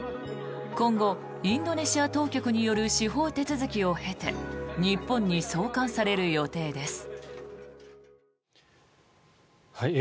今後、インドネシア当局による司法手続きを経て日本に送還される予定です。